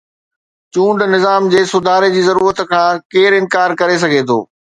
چونڊ نظام جي سڌاري جي ضرورت کان ڪير انڪار ڪري سگهي ٿو؟